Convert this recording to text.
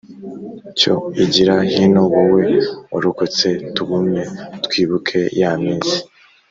cyo igira hino wowe warokotse tugumye twibuke ya minsi